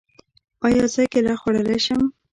ایا زه کیله خوړلی شم؟